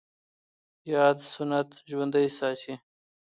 ياد سنت ژوندی ساتي